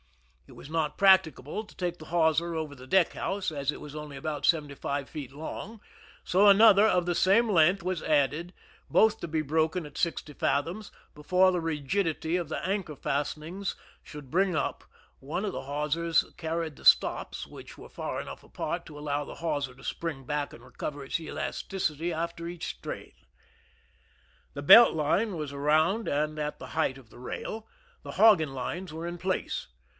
It was not prac ticable to take the hawser over the deck house, as it was only about seventy five feet long ; so another of the same length was added, both to be broken at sixty fathoms, before the rigidity of the anchor fastenings should " bring up "; one of the hawsers carried the stops, which were far enough apart to allow the hawser to spring back and recover its elasticity after each strain. The belt line was around and at the height of the rail ; the hogging lines were in place.